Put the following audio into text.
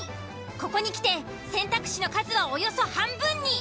ここに来て選択肢の数はおよそ半分に。